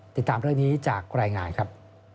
ติดตามเรื่องนี้จากรายงานครับ